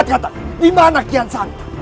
cepat katakan dimana kian santang